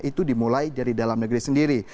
itu dimulai dari dalam negeri sendiri